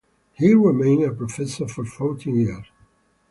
He remained a professor for fourteen years.